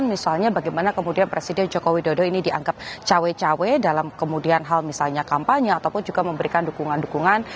misalnya bagaimana kemudian presiden joko widodo ini dianggap cawe cawe dalam kemudian hal misalnya kampanye ataupun juga memberikan dukungan dukungan